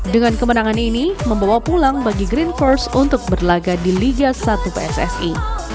dengan kemenangan ini membawa pulang bagi green force untuk berlaga di liga satu pssi